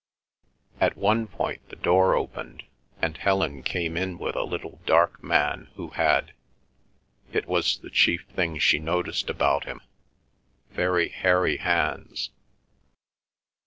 At one point the door opened, and Helen came in with a little dark man who had—it was the chief thing she noticed about him—very hairy hands.